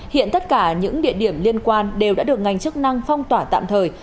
hiện tất cả những địa điểm liên quan đều đã được ngành chức năng phong tỏa tạm thời